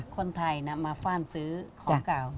คนไทยมาฟ่านซื้อของเก่า